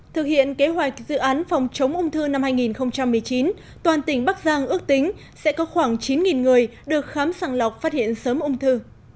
thực hiện kế hoạch dự án phòng chống ung thư năm hai nghìn một mươi chín toàn tỉnh bắc giang ước tính sẽ có khoảng chín người được khám sàng lọc phát hiện sớm ung thư